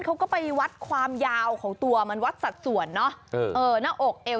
เขาก็ไปวัดความยาวของตัวมันวัดสัดส่วนเนอะหน้าอกเอว